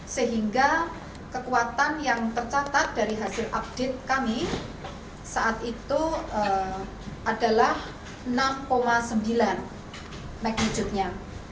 sehingga kekuatan yang tercatat dari hasil update kami saat itu adalah enam sembilan magnitude nya